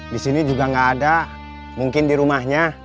disini juga gak ada mungkin di rumahnya